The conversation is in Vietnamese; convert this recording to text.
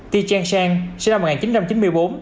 ti chang sang sinh năm một nghìn chín trăm chín mươi bốn